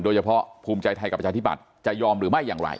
โดยเฉพาะภูมิใจไทยกับประชาธิบัติจะยอมหรือไม่อย่างไร